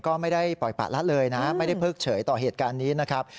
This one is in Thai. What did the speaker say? ก็ไม่ได้ปล่อยปะละเลยนะไม่ได้เพิกเฉยต่อเหตุการณ์นี้นะครับ